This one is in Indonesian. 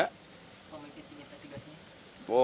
pak komite tim investigasinya